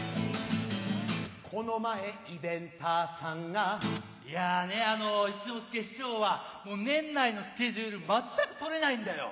この前イベンターさんがいやあの一之輔師匠は年内のスケジュール全く取れないんだよ。